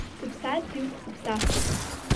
Сыԥсадгьыл сыԥсахт.